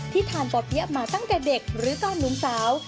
ที่ทานป่อเปี้ยมาตั้งแต่เด็กหรือก็นุ้นสาว